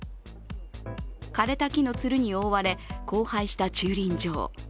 枯れた木のつるに覆われ、荒廃した駐輪場。